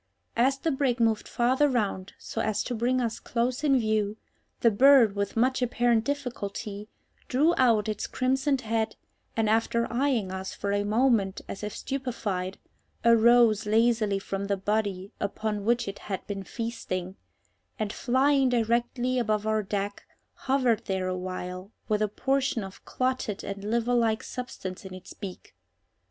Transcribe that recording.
As the brig moved farther round so as to bring us close in view, the bird, with much apparent difficulty, drew out its crimsoned head, and, after eyeing us for a moment as if stupefied, arose lazily from the body upon which it had been feasting, and, flying directly above our deck, hovered there a while with a portion of clotted and liver like substance in its beak.